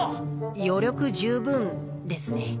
余力十分ですね。